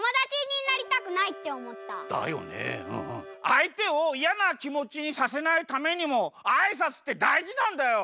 あいてをいやなきもちにさせないためにもあいさつってだいじなんだよ。